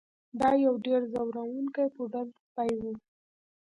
دا یو ډیر ځورونکی پوډل سپی و